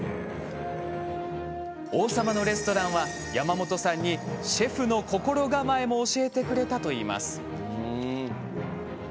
「王様のレストラン」は山本さんにシェフの心構えも教えてくれたといいます。